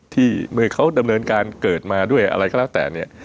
ที่เมื่อเขาดำเนินการเกิดมาด้วยอะไรก็แล้วแต่เนี่ย